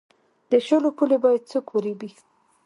د شولو پولې باید څوک وریبي؟